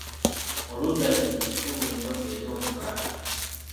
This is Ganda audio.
Oluggya kintu kikulu nnyo eri omuganda.